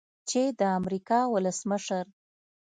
چې د امریکا ولسمشر